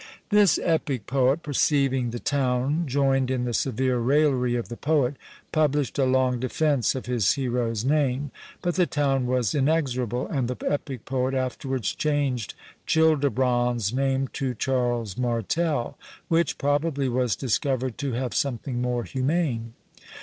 This epic poet perceiving the town joined in the severe raillery of the poet, published a long defence of his hero's name; but the town was inexorable, and the epic poet afterwards changed Childebrand's name to Charles Martel, which probably was discovered to have something more humane.